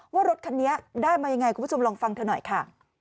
ว่ารถคันนี้ได้มายังไงคุณผู้ชมลองฟังเธอหน่อยค่ะ